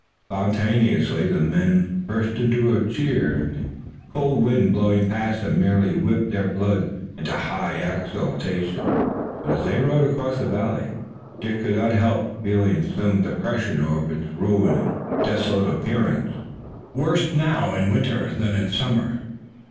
Spontaneously the men burst into a cheer, and the cold wind blowing past them merely whipped their blood into high exaltation. But as they rode across the valley Dick could not help feeling some depression over its ruined and desolate appearance, worse now in winter than in summer.